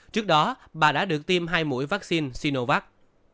trước đó bà đã được tiêm hai mũi vaccine sinovac